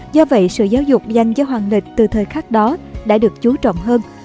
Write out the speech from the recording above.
do vậy sự giáo dục danh cho hoàng lịch từ thời khắc đó đã được chú trọng hơn